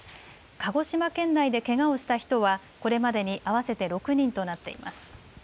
鹿児島県内でけがをした人はこれまでに合わせて６人となっています。